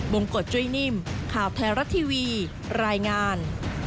งกฎจุ้ยนิ่มข่าวไทยรัฐทีวีรายงาน